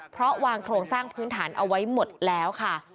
เพราะวางโครงสร้างพื้นฐานเอาไว้หมดแล้วค่ะ